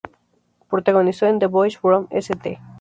Protagonizó en "The Boys from St.